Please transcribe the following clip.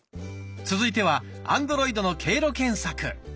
続いてはアンドロイドの経路検索。